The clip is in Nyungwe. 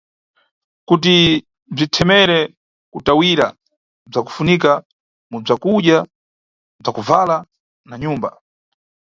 Kuti bzithemere kutawira bzakufunika mu bzakudya, bzakubvala na nyumba.